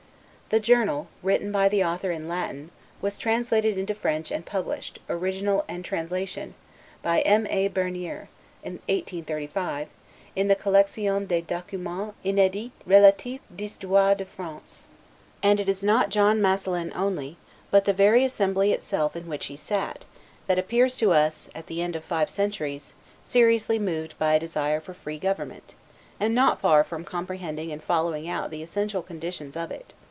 [The Journal, written by the author in Latin, was translated into French and published, original and translation, by M. A. Bernier, in 1835, in the Collection des Documents inedits relatifs d l'Histoire de France.] And it is not John Masselin only, but the very assembly itself in which he sat, that appears to us, at the end of five centuries, seriously moved by a desire for a free government, and not far from comprehending and following out the essential conditions of it.